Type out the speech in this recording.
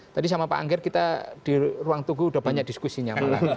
tadi sama pak angger kita di ruang tunggu sudah banyak diskusinya malah